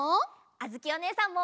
あづきおねえさんも！